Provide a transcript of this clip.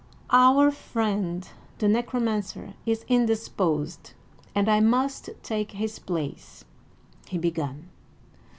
"Our friend the Necromancer is indisposed, and I must take his place," he began.